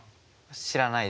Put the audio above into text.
知らないですね。